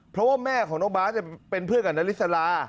เพราะว่าแม่ของน้องบาสเป็นเพื่อนกับนาริสลา